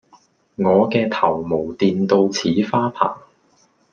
我嘅頭毛電到似花棚